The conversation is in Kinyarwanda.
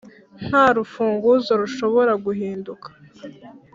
nta rufunguzo rushobora guhinduka